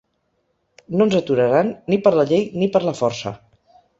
No ens aturaran, ni per la llei ni per la força!